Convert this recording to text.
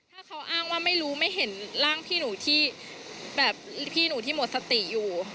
ถ้าเขาอ้างว่าไม่รู้ไม่เห็นร่างพี่หนูที่แบบพี่หนูที่หมดสติอยู่